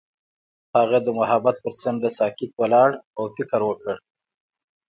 هغه د محبت پر څنډه ساکت ولاړ او فکر وکړ.